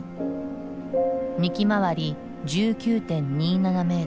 幹周り１９．２７メートル。